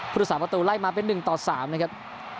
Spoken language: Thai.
พุทธศาสตร์ประตูไล่มาเป็นหนึ่งต่อสามนะครับ